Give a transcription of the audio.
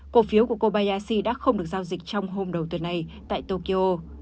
cổ phiếu của kobayashi đã không được giao dịch trong hôm đầu tuần này tại tokyo